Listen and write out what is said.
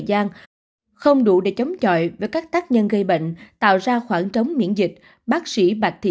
gian không đủ để chống chọi với các tác nhân gây bệnh tạo ra khoảng trống miễn dịch bác sĩ bạch thị